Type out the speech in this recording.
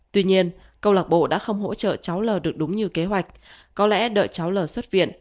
tuy nhiên câu lạc bộ đã không hỗ trợ cháu l được đúng như kế hoạch có lẽ đợi cháu l xuất viện